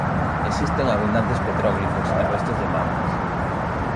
Existen abundantes petróglifos e restos de mámoas